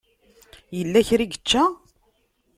Yella kra i yečča?